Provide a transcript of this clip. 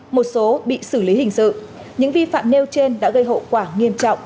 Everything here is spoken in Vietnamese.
một số bị xử lý hình sự những vi phạm nêu trên đã gây hậu quả nghiêm trọng